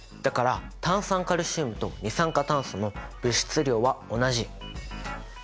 だから炭酸カルシウムと二酸化炭素の物質量は同じ。